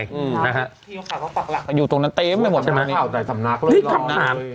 พี่ขอถามว่าฝักหลักอยู่ตรงนั้นเต็มหรือเปล่าใช่ไหมนี่ถามถาม